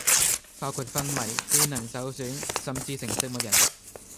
包括昏迷，機能受損、甚至成植物人